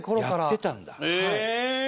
やってたんだ。